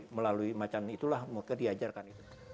dan melalui macan itulah mereka diajarkan